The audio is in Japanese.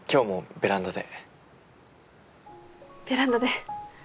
ベランダで。